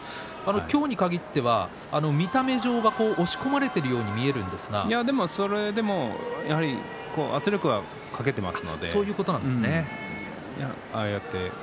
今日に限っては見た目上押し込まれているようにそれでもやはり圧力はそういうことなんですね。